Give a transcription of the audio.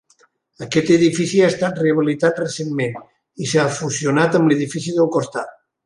Aquest edifici ha estat rehabilitat recentment i s'ha fusionat amb l'edifici del costat.